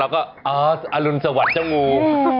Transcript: ก็อ๋ออรุณสวัสดิ์เจ้างู